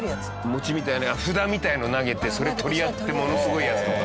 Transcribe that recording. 餅みたいな札みたいなの投げてそれ取り合ってものすごいやつとか。